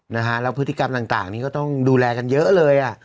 นะฮะแล้วพฤติกรรมต่างนี้ก็ต้องดูแลกันเยอะเลยอ่ะ